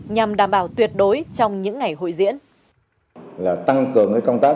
nhằm đảm bảo tuyệt đối trong những ngày hội diễn